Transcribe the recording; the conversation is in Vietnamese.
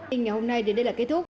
hôm nay đến đây là kết thúc